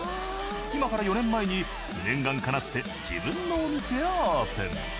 今から４年前に念願叶って自分のお店をオープン。